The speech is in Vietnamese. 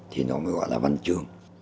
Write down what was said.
thì nó mới gọi là văn trương